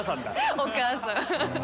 お母さん。